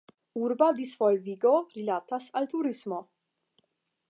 Urba disvolvigo rilatas al turismo.